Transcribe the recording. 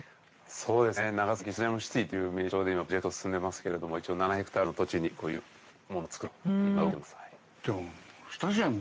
そうですね長崎スタジアムシティという名称で今プロジェクト進んでますけれども一応７ヘクタールの土地にこういうものを造ろうと今動いてます。